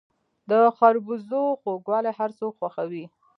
د خربوزو خوږوالی هر څوک خوښوي.